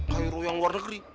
cairo yang warga negeri